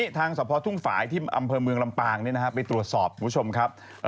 ทางสภทุ่งฝ่ายที่อำเภอเมืองลำปางไปตรวจสอบคุณผู้ชมครับ